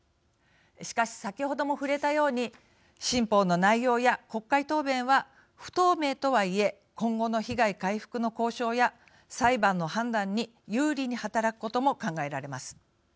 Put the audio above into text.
しかし、先ほども触れたように新法の内容や国会答弁は不透明とはいえ今後の被害回復の交渉や裁判の判断に有利に働くことも考えられます。